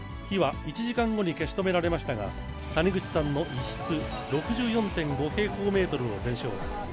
火は１時間後に消し止められましたが、谷口さんの一室６４．５平方メートルを全焼。